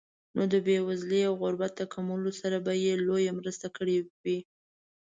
نو د بېوزلۍ او غربت د کمولو سره به یې لویه مرسته کړې وي.